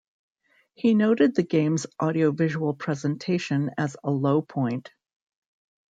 He noted the game's audiovisual presentation as a low point.